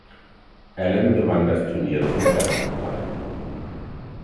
Allen gewann das Turnier zum ersten Mal.